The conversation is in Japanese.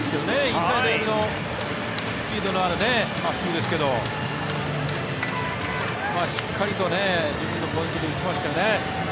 インサイド寄りのスピードのある真っすぐですけどしっかりと自分のポイントで打ちましたよね。